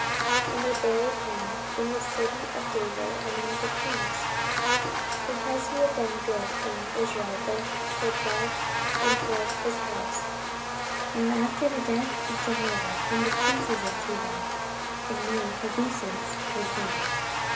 14:024:016 And they buried him in the city of David among the kings, because he had done good in Israel, both toward God, and toward his house. 14:024:017 Now after the death of Jehoiada came the princes of Judah, and made obeisance to the king.